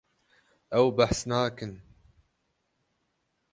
Ew behs nakin.